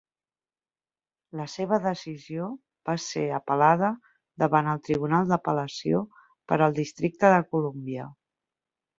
La seva decisió va ser apel·lada davant el Tribunal d'Apel·lació per al Districte de Columbia.